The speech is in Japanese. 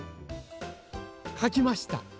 かきました。